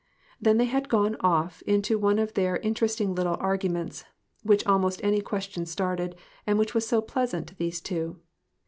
Then they had gone off into one of their inter esting little arguments, which almost any ques tion started, and which was so pleasant to these two.